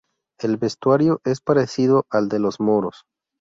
El vestuario es parecido al de los Moros.